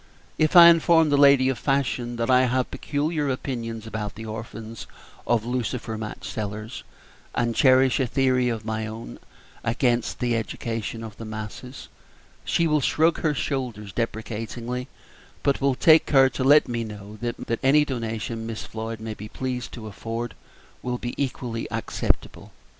If I inform the lady of fashion that I have peculiar opinions about the orphans of lucifer match sellers, and cherish a theory of my own against the education of the masses, she will shrug her shoulders deprecatingly, but will take care to let me know that any donation Miss Floyd may be pleased to afford will be equally acceptable.